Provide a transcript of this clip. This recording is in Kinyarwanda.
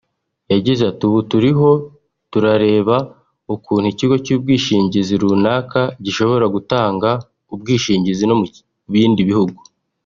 yagize ati “ Ubu turiho turareba ukuntu ikigo cy’ubwishingizi runaka gishobora gutanga ubwishingizi no mu bindi bihugu